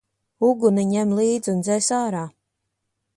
Uguni ņem līdz un dzēs ārā!